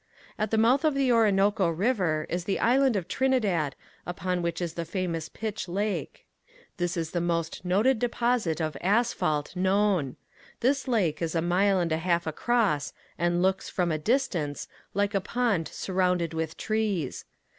At the mouth of the Orinoco river is the Island of Trinidad upon which is the famous pitch lake. This is the most noted deposit of asphalt known. This lake is a mile and a half across and looks, from a distance, like a pond surrounded with trees.